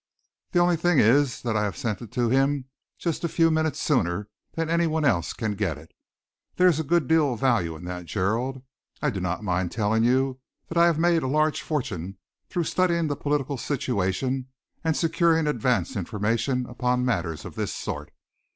The only thing is that I have sent it to him just a few minutes sooner than any one else can get it. There is a good deal of value in that, Gerald. I do not mind telling you that I have made a large fortune through studying the political situation and securing advance information upon matters of this sort.